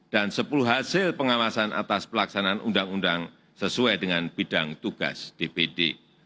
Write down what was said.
dan sepuluh hasil pengawasan atas pelaksanaan undang undang sesuai dengan bidang tugas dpd